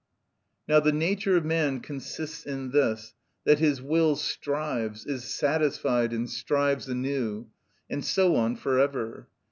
Now the nature of man consists in this, that his will strives, is satisfied and strives anew, and so on for ever.